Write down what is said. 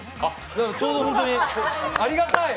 だからちょうど、本当に、ありがたい！